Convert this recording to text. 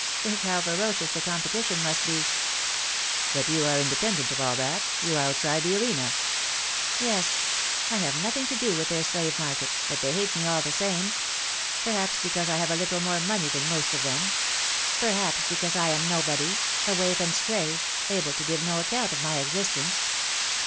Think how ferocious the competition must be I" ' But you are independent of all that ; you are outside the areta." ' Yes ; I have nothing to do with their slave market, but they hate me all the same ; perhaps because I have a little more money than most of them ; perhaps because I am nobody a waif and stray able to give no account of my existence."